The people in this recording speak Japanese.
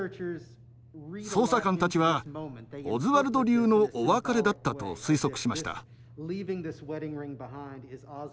捜査官たちはオズワルド流のお別れだったと推測しました。